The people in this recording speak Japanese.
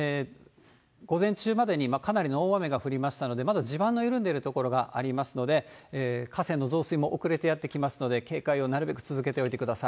午前中までにかなりの大雨が降りましたので、まだ地盤の緩んでいる所がありますので、河川の増水も遅れてやって来ますので、警戒をなるべく続けておい